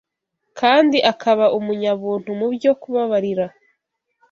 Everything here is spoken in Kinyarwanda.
kandi akaba umunyabuntu mu byo kubabarira